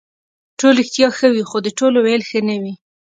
ټول رښتیا ښه وي خو د ټولو ویل ښه نه وي.